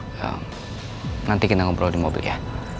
nanti kita ngobrol di mobil ya